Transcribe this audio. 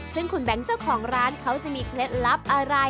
ซึ่งคุณแบงค์เจ้าของร้านเขาจะมีเคล็ดลับอะไร